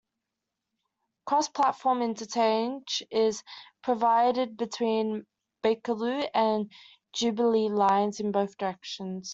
Cross platform interchange is provided between Bakerloo and Jubilee lines in both directions.